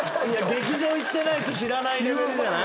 劇場行ってないと知らないレベルじゃない？